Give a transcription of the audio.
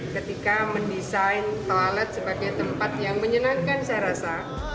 ketika mendesain toilet sebagai tempat yang menyenangkan saya rasa